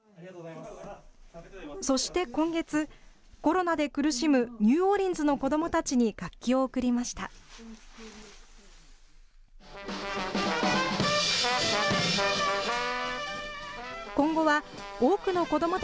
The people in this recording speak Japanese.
そして今月、コロナで苦しむニューオーリンズの子どもたちに楽器を送りました。